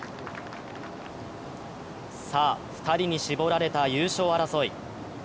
さあ、２人に絞られた優勝争い。